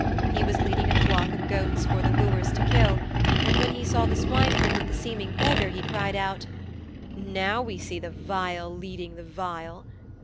He was leading a flock of goats for the wooers to kill, and when he saw the swineherd with the seeming beggar he cried out: 'Now we see the vile leading the vile.